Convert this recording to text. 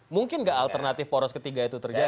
mungkin gak alternatif poros ketiga itu terjadi